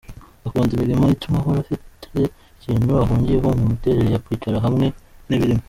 Akunda imirimo ituma ahora afite ikintu ahugiyeho, mu miterere ye kwicara hamwe ntibirimo.